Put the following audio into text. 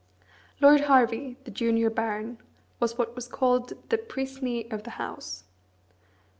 Lord Hervey, the junior baron, was what was called the "Puisné of the House."